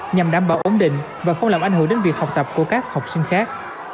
nhằm đảm bảo ổn định và không làm ảnh hưởng đến việc học tập của các học sinh khác